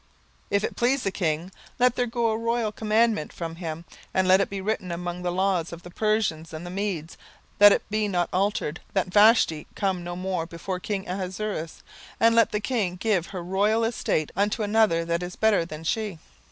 17:001:019 If it please the king, let there go a royal commandment from him, and let it be written among the laws of the Persians and the Medes, that it be not altered, That Vashti come no more before king Ahasuerus; and let the king give her royal estate unto another that is better than she.